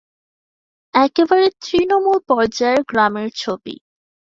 একেবারে তৃণমূল পর্যায়ের গ্রামের ছবি।